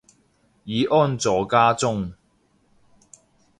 已安坐家中